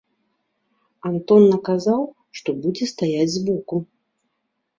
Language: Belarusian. Антон наказаў, што будзе стаяць з боку.